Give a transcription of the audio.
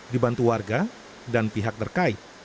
dibantu warga dan pihak terkait